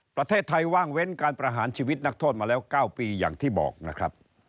ประเทศไทยว่างเว้นการประหารชีวิตนักโทษมาแล้ว๙ปีอย่างที่บอกนะครับ